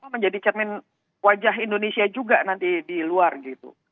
menjadi cermin wajah indonesia juga nanti di luar gitu